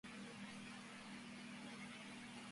Petersburg North No.